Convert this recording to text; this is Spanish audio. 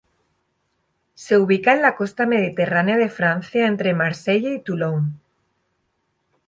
Se ubica en la costa Mediterránea de Francia entre Marseille y Toulon.